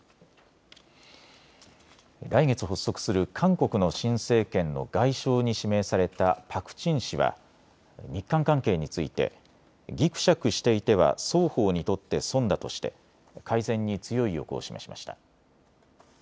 来月発足する韓国の新政権の外相に指名されたパク・チン氏は日韓関係についてぎくしゃくしていては双方にとって損だとして改善に強い意欲を示しました。